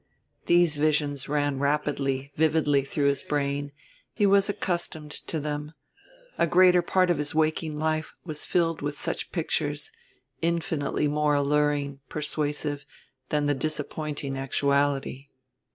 These visions ran rapidly, vividly, through his brain; he was accustomed to them; a greater part of his waking life was filled with such pictures, infinitely more alluring, persuasive, than the disappointing actuality.